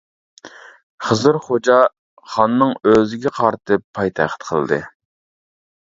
خىزىر خوجا خاننىڭ ئۆزىگە قارىتىپ پايتەخت قىلدى.